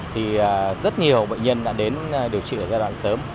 thì rất nhiều bệnh nhân đã đến điều trị ở giai đoạn sớm